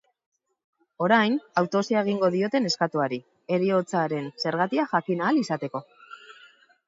Orain, autopsia egingo diote neskatoari, heriotzaren zergatia jakin ahal izateko.